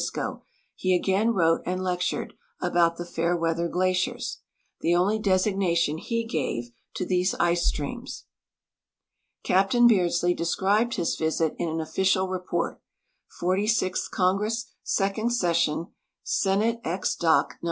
sco, he again wrote and lectured about the " Fairweather glaciers," the onl}" designation he gave to these ice streams. Captain Beardslee described his visit in an official report (Forty sixth Congress, Second Session, Senate Ex. Doc. No.